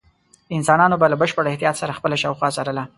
انسانانو به له بشپړ احتیاط سره خپله شاوخوا څارله.